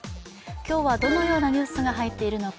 今日はどのようなニュースが入っているのか。